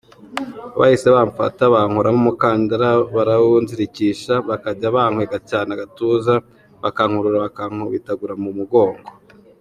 Bahise bamfata bankuramo umukandara barawunzirikisha bakajya bankwega cyane agatuza, bakankurura bankubitagura mu mugongo.